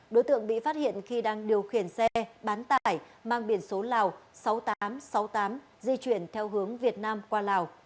đối tượng bị phát hiện khi đang điều khiển xe bán tải mang biển số lào sáu nghìn tám trăm sáu mươi tám di chuyển theo hướng việt nam qua lào